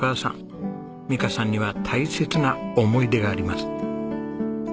美香さんには大切な思い出があります。